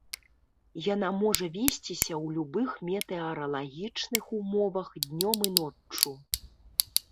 Яна можа весціся ў любых метэаралагічных умовах днём і ноччу.